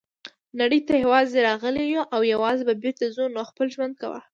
نړۍ ته یوازي راغلي یوو او یوازي به بیرته ځو نو خپل ژوند کوه.